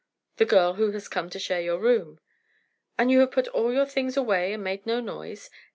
"The girl who has come to share your room." "And you have put all your things away and made no noise?